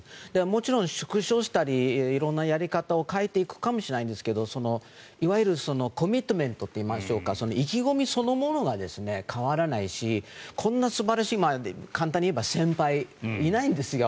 もちろん縮小したり色んなやり方を変えていくかもしれないんですけどいわゆるコミットメントといいましょうか意気込みそのものが変わらないしこんな素晴らしい簡単に言えば先輩いないんですよ。